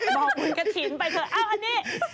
บอกบุญกระถิ่นไปเถอะอ้าวอันนี้